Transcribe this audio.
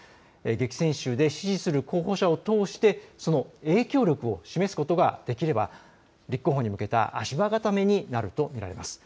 激戦州で支持する候補者を通しての影響力を示すことができれば立候補に向けた足場固めになると見られます。